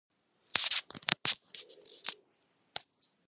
მეორე მსოფლიო ომში შენობა მძიმედ დაზიანდა.